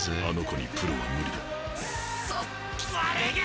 あの子にプロは無理だ。